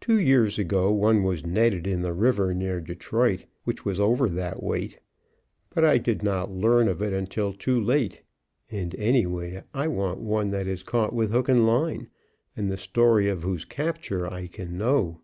"Two years ago one was netted in the river near Detroit which was over that weight, but I did not learn of it until too late; and, anyway, I want one that is caught with hook and line, and the story of whose capture I can know."